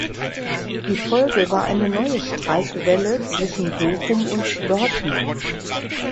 Die Folge war eine neue Streikwelle zwischen Bochum und Dortmund.